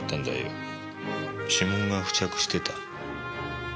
指紋が付着してた。